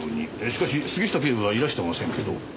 しかし杉下警部はいらしてませんけど。